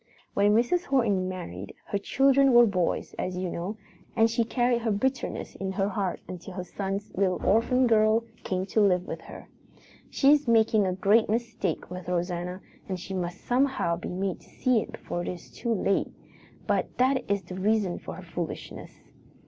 "When Mrs. Horton married, her children were boys, as you know, and she carried her bitterness in her heart until her son's little orphan girl came to live with her. She is making a great mistake with Rosanna and she must somehow be made to see it before it is too late. But that is the reason for her foolishness.